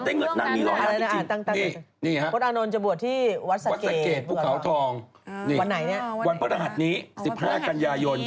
ก็นี่อย่างน้อยเขาก็ลงโซเชียลไปเลย